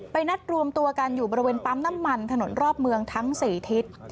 นัดรวมตัวกันอยู่บริเวณปั๊มน้ำมันถนนรอบเมืองทั้ง๔ทิศ